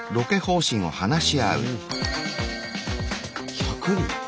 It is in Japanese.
１００人！